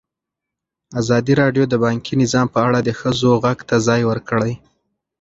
ازادي راډیو د بانکي نظام په اړه د ښځو غږ ته ځای ورکړی.